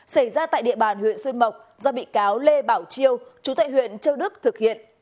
xảy ra tại địa bàn huyện xuyên mộc do bị cáo lê bảo chiêu chú tại huyện châu đức thực hiện